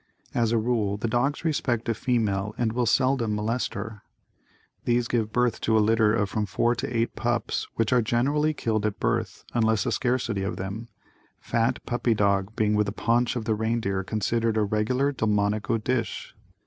As a rule, the dogs respect a female and will seldom molest her. These give birth to a litter of from 4 to 8 pups which are generally killed at birth, unless a scarcity of them, fat "puppy dog" being with the paunch of the reindeer considered a regular "Delmonico" dish.